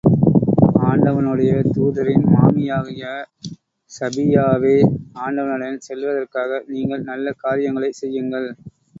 ஆண்டவனுடைய தூதரின் மாமியாகிய ஸபிய்யாவே ஆண்டவனிடம் செல்வதற்காக நீங்கள் நல்ல காரியங்களைச் செய்யுங்கள்.